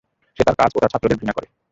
সে তার কাজ এবং তার ছাত্রদের ঘৃণা করে।